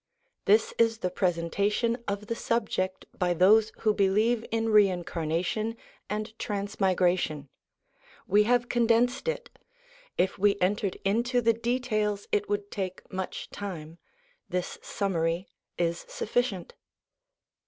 This is the presentation of the subject by those who believe in reincarnation and transmigration. We have condensed it; if we entered into the details it would take much time; this summary is sufficient.